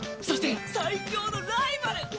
そして最強のライバル！